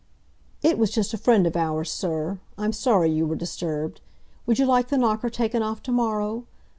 "It was just a friend of ours, sir. I'm sorry you were disturbed. Would you like the knocker taken off to morrow?